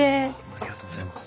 ありがとうございます。